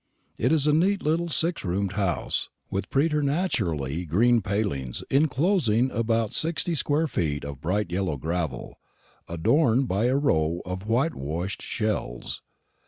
It is a neat little six roomed house, with preternaturally green palings enclosing about sixty square feet of bright yellow gravel, adorned by a row of whitewashed shells.